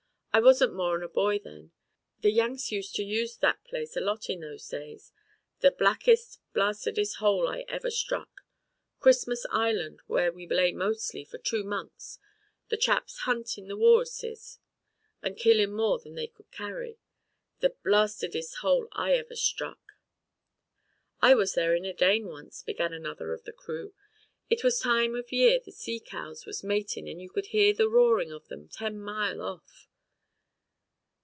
I wasn't more'n a boy then. The Yanks used to use that place a lot in those days. The blackest blastedest hole I ever struck. Christmas Island was where we lay mostly, for two months, the chaps huntin' the wal'uses and killin' more than they could carry. The blastedest hole I ever struck." "I was there in a Dane once," began another of the crew. "It was time of year the sea cows was matin' and you could hear the roarin' of them ten mile off."